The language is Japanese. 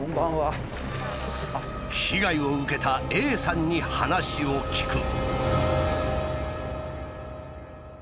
被害を受けたＡさんに話を聞く。